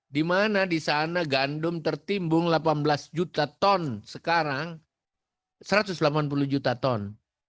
di mana di sana gandum tertimbung delapan belas juta ton sekarang satu ratus delapan puluh juta ton